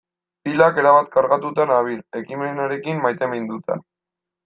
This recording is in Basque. Pilak erabat kargatuta nabil, ekimenarekin maiteminduta.